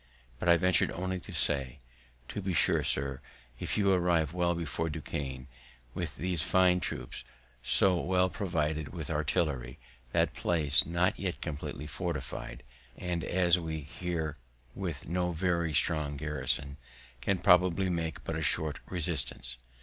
But I ventur'd only to say, "To be sure, sir, if you arrive well before Duquesne, with these fine troops, so well provided with artillery, that place not yet completely fortified, and as we hear with no very strong garrison, can probably make but a short resistance.